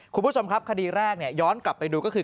คุณผู้ชมครับคดีแรกย้อนกลับไปดูก็คือ